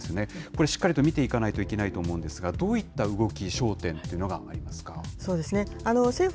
これ、しっかりと見ていかないといけないと思うんですが、どういった動き、焦点というのがありまそうですね。